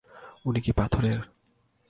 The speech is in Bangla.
উনি কি পাথরের?